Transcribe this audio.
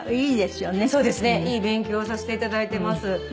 そうですねいい勉強させていただいてます。